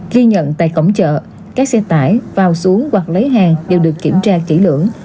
ghi nhận tại cổng chợ các xe tải vào xuống hoặc lấy hàng đều được kiểm tra kỹ lưỡng